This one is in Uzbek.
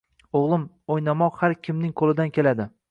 O'g'lim, o'ynamoq har kimning qo'lidan keladi